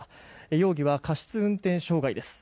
容疑は過失運転傷害です。